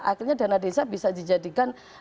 akhirnya dana desa bisa dijadikan